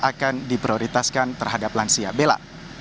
akan diprioritaskan terhadap lansia bela